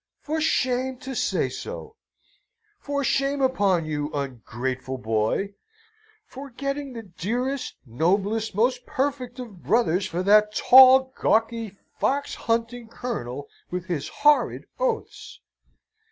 For shame to say so! For shame upon you, ungrateful boy, forgetting the dearest, noblest, most perfect of brothers, for that tall, gawky, fox hunting Colonel, with his horrid oaths!